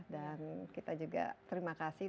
dan kita juga terima kasih